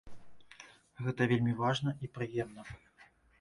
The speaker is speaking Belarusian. Гэта вельмі важна і прыемна.